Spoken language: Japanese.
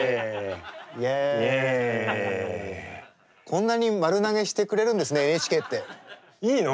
こんなに丸投げしてくれるんですねＮＨＫって。いいの？